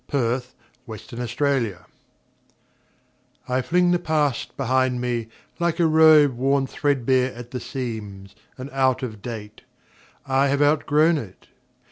Ella Wheeler Wilcox The Past I FLING the past behind me, like a robe Worn threadbare at the seams, and out of date. I have outgrown it.